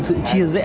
sự chia rẽ